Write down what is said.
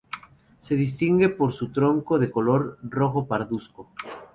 Se distingue por su tronco de color rojo parduzco.